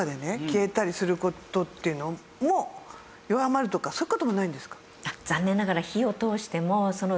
消えたりする事っていうのも弱まるとかそういう事もないんですか？